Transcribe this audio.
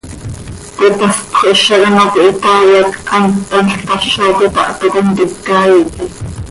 Cöipaspoj hizac ano cöihitai hac hant thanl tazo cöitáh, toc contica ihi.